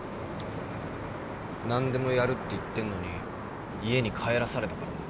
何でもやるって言ってんのに家に帰らされたからね。